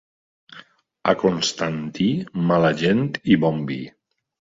A Constantí, mala gent i bon vi.